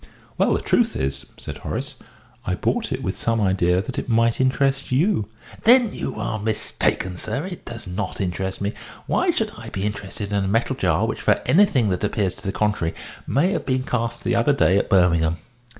"Well, the truth is," said Horace, "I bought it with some idea that it might interest you." "Then you were mistaken, sir. It does not interest me. Why should I be interested in a metal jar which, for anything that appears to the contrary, may have been cast the other day at Birmingham?"